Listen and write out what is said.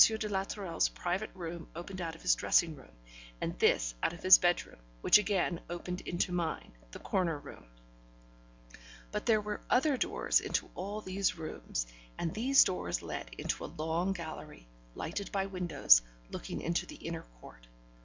de la Tourelle's private room opened out of his dressing room, and this out of his bedroom, which again opened into mine, the corner room. But there were other doors into all these rooms, and these doors led into a long gallery, lighted by windows, looking into the inner court.